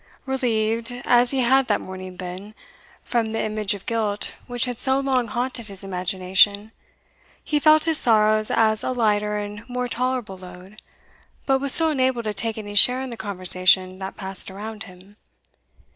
Relieved, as he had that morning been, from the image of guilt which had so long haunted his imagination, he felt his sorrows as a lighter and more tolerable load, but was still unable to take any share in the conversation that passed around him.